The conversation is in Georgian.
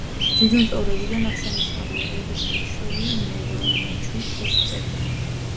ძუძუმწოვრებიდან აღსანიშნავია: ევროპული შველი, მელა, მაჩვი, ტყის კვერნა.